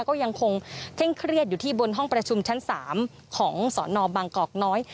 ก็ยังคงเคร่งเครียดอยู่ที่บนห้องประชุมชั้น๓ของสนบางกอกน้อย